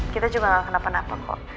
kita juga gak kenapa napa kok